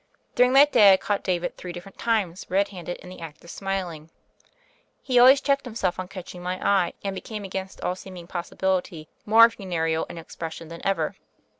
During that day I caught David three different times red handed in the act of smiling. He always checked himse, lf on catching my eye, and became against all seeming possibility more funereal in expression than ever.